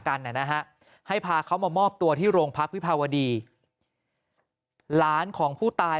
กันนะฮะให้พาเขามามอบตัวที่โรงพักวิภาวดีหลานของผู้ตาย